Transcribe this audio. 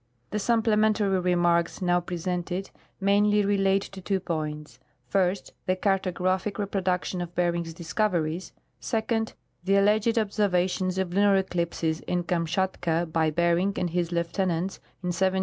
The supplementar}^ remarks now presented mainly relate to tw^o points : first, the cartographic reproduction of Bering's dis coveries ; second, the alleged observations of lunar eclipses in Kamshatka by Bering and his lieutenants in 1728 '29.